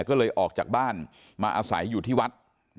ก็เลยออกจากบ้านมาอาศัยอยู่ที่วัด